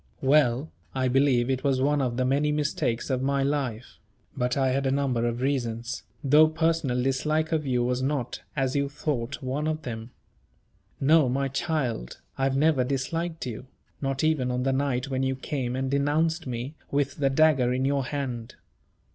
Well, I believe it was one of the many mistakes of my life; but I had a number of reasons, though personal dislike of you was not, as you thought, one of them. No, my child, I have never disliked you; not even on the night when you came and denounced me, with the dagger in your hand.